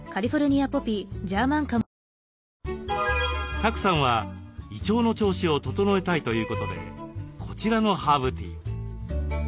賀来さんは胃腸の調子を整えたいということでこちらのハーブティーを。